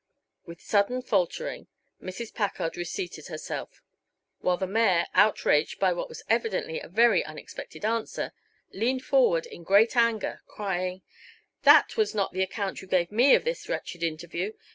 With sudden faltering, Mrs. Packard reseated herself, while the mayor, outraged by what was evidently a very unexpected answer, leaned forward in great anger, crying: "That was not the account you gave me of this wretched interview.